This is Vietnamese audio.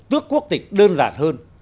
tước quốc tịch đơn giản hơn